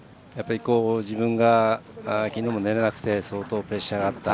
自分がきのうも寝れなくて相当、プレッシャーがあった。